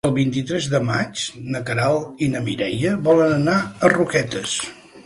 El vint-i-tres de maig na Queralt i na Mireia volen anar a Roquetes.